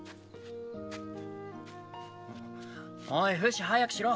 おいフシ早くしろ。